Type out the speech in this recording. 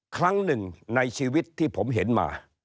ครั้งหนึ่งในชีวิตที่ผมเห็นมา